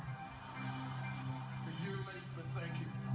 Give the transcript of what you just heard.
ขอบคุณค่ะขอบคุณค่ะ